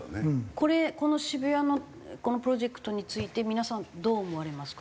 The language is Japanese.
これこの渋谷のこのプロジェクトについて皆さんどう思われますか？